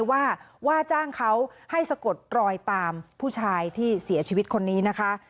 ว่าว่าจ้างเขาให้สะกดรอยตามผู้ชายที่เสียชีวิตคนนี้นะคะ